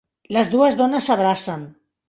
Les dues dones s'abracen.